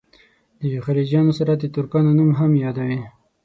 د خلجیانو سره د ترکانو نوم هم یادوي.